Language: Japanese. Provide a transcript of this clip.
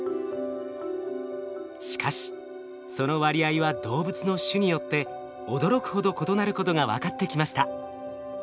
しかしその割合は動物の種によって驚くほど異なることが分かってきました。